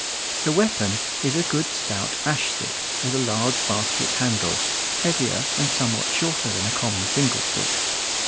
The weapon is a good stout ash stick with a large basket handle, heavier and somewhat shorter than a common single stick.